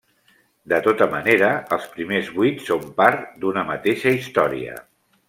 De tota manera, els primers vuit són part d'una mateixa història.